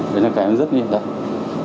cái là cái rất nghiêm trọng